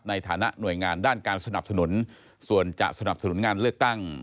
ในฐานะหน่วยงานด้านการสนับสนุนส่วนจะสนับสนุนงานเลือกตั้ง